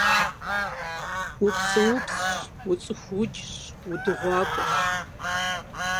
УпцӀыупсщ, уцӀыхуукӀщ, удыгъуэгъуакӀуэщ!